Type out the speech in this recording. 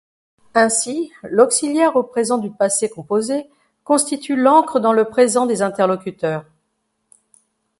Ainsi, l'auxiliaire au présent du passé composé constitue l'ancre dans le présent des interlocuteurs.